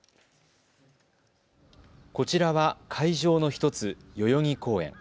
こちらは会場の１つ、代々木公園。